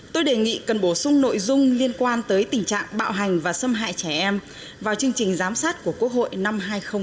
tôi đề nghị cần bổ sung nội dung liên quan tới tình trạng bạo hành và xâm hại trẻ em vào chương trình giám sát của quốc hội năm hai nghìn hai mươi